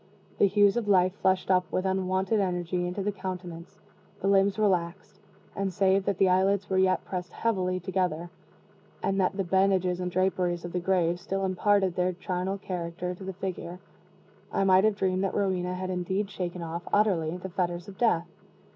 The hues of life flushed up with unwonted energy into the countenance the limbs relaxed and, save that the eyelids were yet pressed heavily together, and that the bandages and draperies of the grave still imparted their charnel character to the figure, I might have dreamed that Rowena had indeed shaken off, utterly, the fetters of Death.